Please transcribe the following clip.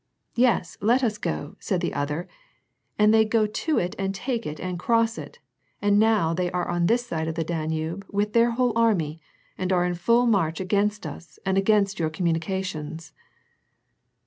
' Yes, let us go,' said the other, and they go to it and take it and cross it, and now they are on this side of the Danube with their whole army, and are in full march against us and against your com mnnications."